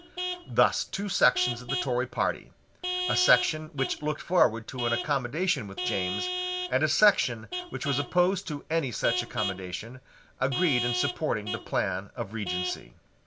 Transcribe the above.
Thus two sections of the Tory party, a section which looked forward to an accommodation with James, and a section which was opposed to any such accommodation, agreed in supporting the plan of Regency.